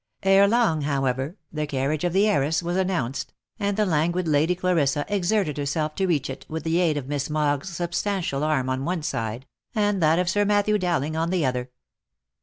Ere long, however, the carriage of the heiress was announced, and the languid Lady Clarissa exerted herself to reach it, with the aid of Miss Mogg's substantial arm on one side, and that of Sir Matthew Dowling on the other.